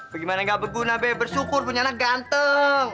bagaimana ga berguna be bersyukur punya anak ganteng